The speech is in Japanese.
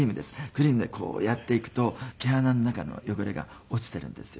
クリームでこうやっていくと毛穴の中の汚れが落ちているんですよ。